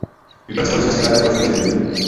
Vypracovali jsme zkrátka profily zemí.